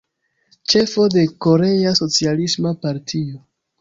Ĉefo de Korea Socialisma Partio.